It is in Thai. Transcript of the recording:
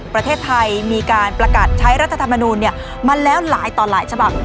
ประเทศไทยมีการประกาศใช้รัฐธรรมนูลมาแล้วหลายต่อหลายฉบับ